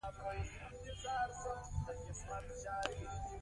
د دښمن توپونه او توپکونه سخت برید وکړ.